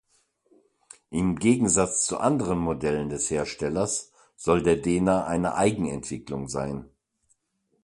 Im Gegensatz zu anderen Modellen des Herstellers soll der Dena eine Eigenentwicklung sein.